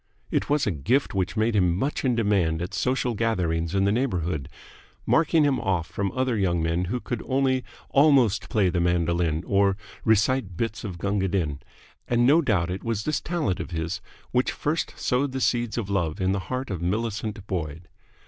It was a gift which made him much in demand at social gatherings in the neighbourhood, marking him off from other young men who could only almost play the mandolin or recite bits of Gunga Din; and no doubt it was this talent of his which first sowed the seeds of love in the heart of Millicent Boyd.